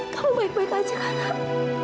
kamu baik baik aja anak